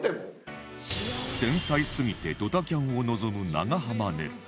繊細すぎてドタキャンを望む長濱ねる